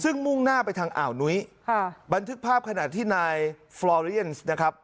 ซึ่งมุ่งหน้าไปทางอ่าวนุ้ยค่ะบันทึกภาพขณะที่นายฟลอเรียนสนะครับ